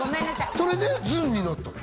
それでずんになったの？